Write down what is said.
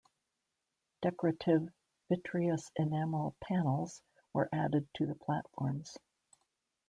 Decorative vitreous enamel panels were added to the platforms.